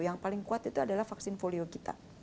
yang paling kuat itu adalah vaksin folio kita